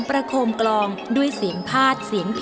หมายความว่าระดมประคมกลองด้วยเสียงพาดเสียงผิน